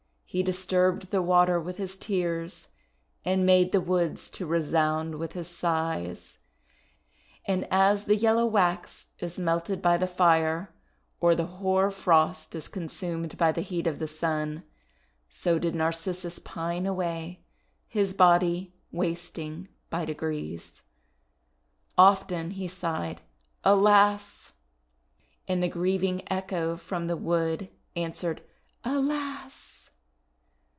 He disturbed the water with his tears, and made the woods to resound with his sighs. And as the yellow wax is melted by the Fire, or the Hoar Frost is consumed by the heat of the Sun, so did Narcissus pine away, his body wasting by degrees. 20 THE WONDER GARDEN Of ten he sighed, "Alas!" And the grieving Echo from the wood an swered, "Alas!'